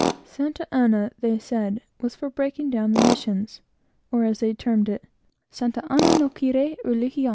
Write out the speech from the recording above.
Santa Ana, they said, was for breaking down the missions; or, as they termed it "Santa Ana no quiere religion."